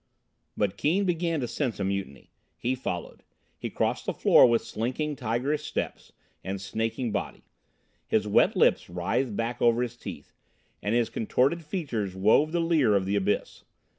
But Keane began to sense a mutiny. He followed. He crossed the floor with slinking, tigerish steps and snaking body. His wet lips writhed back over his teeth, and his contorted features wove the leer of the abyss.